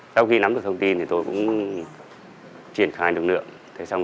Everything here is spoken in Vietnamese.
sau khi nắm được thông tin thì tôi cũng triển khai lực lượng